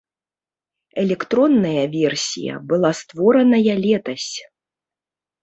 Электронная версія была створаная летась.